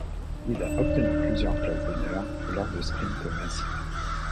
Il y a obtenu plusieurs places d'honneur lors de sprints massifs.